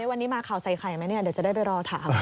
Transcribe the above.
วันนี้มาข่าวใส่ใครไหมเดี๋ยวจะได้รอถาม